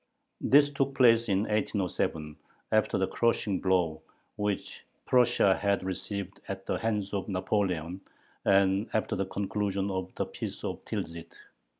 This took place in 1807, after the crushing blow which Prussia had received at the hands of Napoleon and after the conclusion of the Peace of Tilsit.